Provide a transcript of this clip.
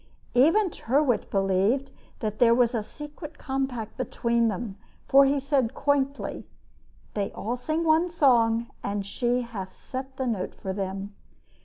Even Tyrwhitt believed that there was a secret compact between them, for he said, quaintly: "They all sing one song, and she hath set the note for them."